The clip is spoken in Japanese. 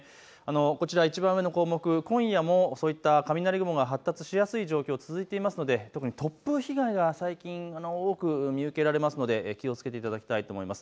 こちらいちばん上の項目、今夜もそういった雷雲が発達しやすい状況が続いているので特に突風被害が最近多く見受けられるので気をつけていただきたいと思います。